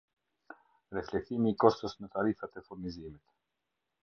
Reflektimi i kostos në tarifat e furnizimit.